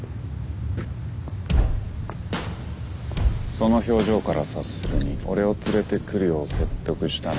その表情から察するに俺を連れてくるよう説得したのは。